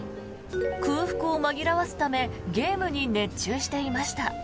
空腹を紛らわすためゲームに熱中していました。